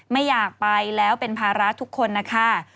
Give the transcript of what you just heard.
ไม่อยากไปแล้วเป็นภาระทุกคนนะคะ